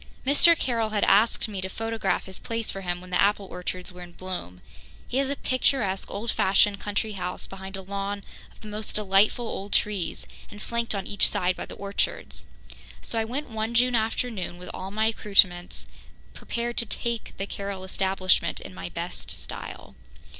Mr. Carroll had asked me to photograph his place for him when the apple orchards were in bloom. He has a picturesque old fashioned country house behind a lawn of the most delightful old trees and flanked on each side by the orchards. So I went one June afternoon, with all my accoutrements, prepared to "take" the Carroll establishment in my best style.